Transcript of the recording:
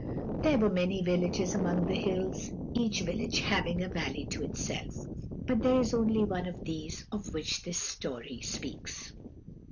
There were many villages among the hills, each village having a valley to itself; but there is only one of these of which this story speaks.